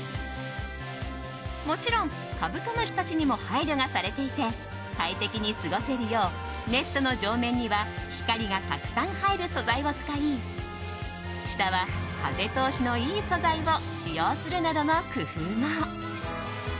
もちろん、カブトムシたちにも配慮がされていて快適に過ごせるようネットの上面には光がたくさん入る素材を使い下は風通しのいい素材を使用するなどの工夫も。